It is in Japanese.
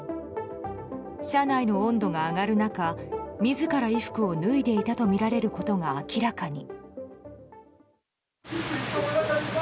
車内の温度が上がる中自ら衣服を脱いでいたとみられることが明らかに。